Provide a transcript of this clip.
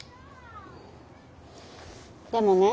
でもね